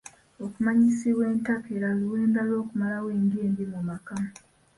Okumanyisibwa entakera luwenda lw'okumalawo endya embi mu maka.